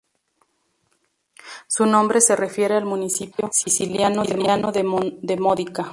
Su nombre se refiere al municipio siciliano de Módica.